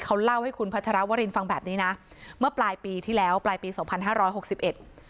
เขาเล่าให้คุณพัชรวรินฟังแบบนี้นะเมื่อปลายปีที่แล้วปลายปีสองพันห้าร้อยหกสิบเอ็ด